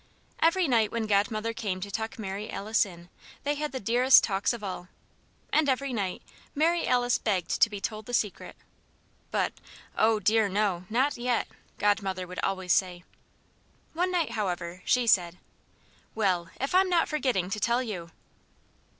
Every night when Godmother came to tuck Mary Alice in, they had the dearest talks of all. And every night Mary Alice begged to be told the Secret. But, "Oh, dear no! not yet!" Godmother would always say. One night, however, she said: "Well, if I'm not almost forgetting to tell you!"